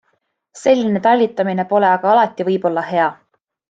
Selline talitamine pole aga alati võib-olla hea.